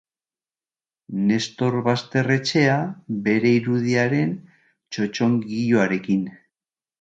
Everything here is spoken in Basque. Nestor Basterretxea bere irudiaren txotxongiloarekin.